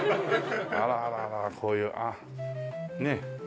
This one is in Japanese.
あらあらあらこういうねえ。